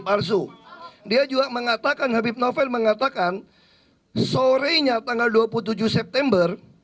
palsu dia juga mengatakan habib novel mengatakan sorenya tanggal dua puluh tujuh september